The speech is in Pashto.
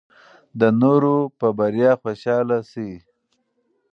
د نورو په بریا خوشحاله شئ.